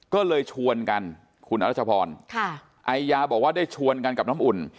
ก็เลยชวนกันคุณอรัชพรไอยาบอกว่าได้ชวนกันกับน้ำอุ่น